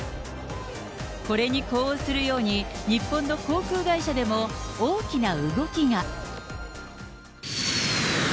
これに呼応するように、日本の航空会社でも大きな動きが。